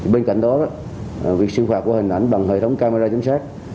bên cạnh đó việc xử phạt hình ảnh bằng hệ thống camera chấm sát